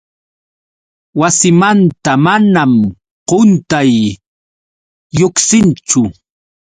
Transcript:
Wasimanta manam quntay lluqsinchu.